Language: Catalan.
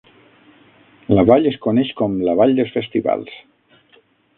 La vall es coneix com "la vall dels festivals".